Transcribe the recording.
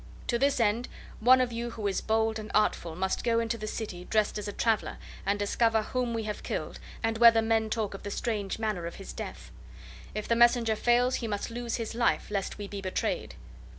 To this end one of you who is bold and artful must go into the city dressed as a traveler, and discover whom we have killed, and whether men talk of the strange manner of his death. If the messenger fails he must lose his life, lest we be betrayed."